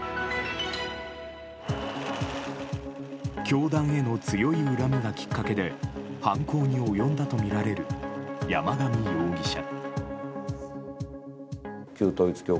教団への強い恨みがきっかけで犯行に及んだとみられる山上容疑者。